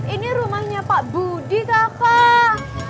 ini rumahnya pak budi kakak